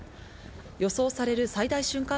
予想される最大瞬間